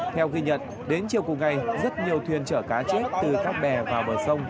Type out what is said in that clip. theo ghi nhận đến chiều cùng ngày rất nhiều thuyền chở cá chết từ các bè vào bờ sông